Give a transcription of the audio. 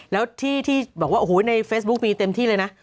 แล้วที่บอกว่าโอ้โหในเฟซบุ๊คมีเต็มที่เลยนะ